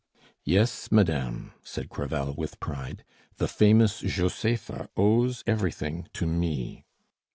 "Yes, madame," said Crevel with pride, "the famous Josepha owes everything to me.